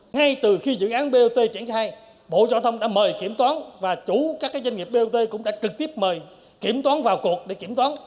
ngay từ khi dự án bot triển khai bộ giao thông đã mời kiểm toán và chủ các doanh nghiệp bot cũng đã trực tiếp mời kiểm toán vào cuộc để kiểm toán